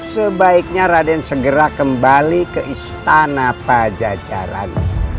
sebaiknya raden segera kembali ke istana pajajaran